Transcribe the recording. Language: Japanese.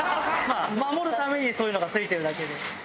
守るためにそういうのが付いてるだけで。